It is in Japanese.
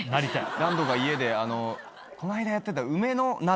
何度か家でこの間やってた梅の鍋。